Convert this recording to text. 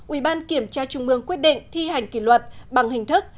ủy ban kiểm tra trung ương quyết định thi hành kỷ luật bằng hình thức